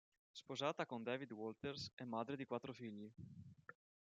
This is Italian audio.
Sposata con David Walters, è madre di quattro figli.